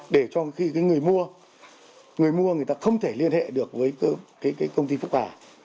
để cho khi người mua người mua người ta không thể liên hệ được với công ty phúc hà